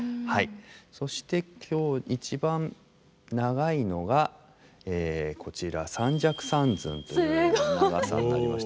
そして今日一番長いのがこちら三尺三寸という長さになりまして。